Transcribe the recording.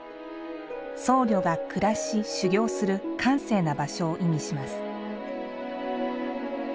僧侶が暮らし修行する閑静な場所を意味します。